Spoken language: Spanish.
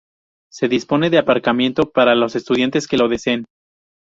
Se dispone de aparcamiento para los estudiantes que lo deseen.